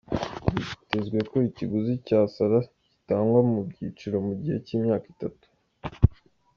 Byitezwe ko ikiguzi cya Sala gitangwa mu byiciro mu gihe cy'imyaka itatu.